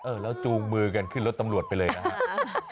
แล้วจูงมือกันขึ้นรถตำรวจไปเลยนะครับ